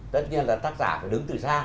tất nhiên là tác giả phải đứng từ xa